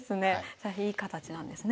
じゃあいい形なんですね。